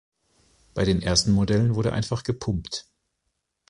Bei den ersten Modellen wurde einfach gepumpt.